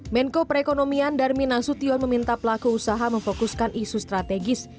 menko perekonomian darmin nasution meminta pelaku usaha memfokuskan isu strategis